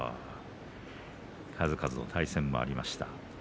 数々の対戦がありました。